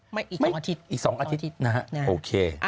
ไม่อีก๒อาทิตย์